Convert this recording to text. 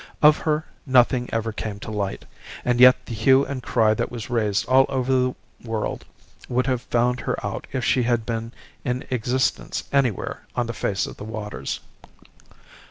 Of her nothing ever came to light, and yet the hue and cry that was raised all over the world would have found her out if she had been in existence anywhere on the face of the waters.